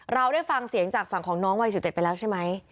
เราได้ฟังเสียงจากฝั่งของน้องวัย๑๗ไปแล้วใช่ไหม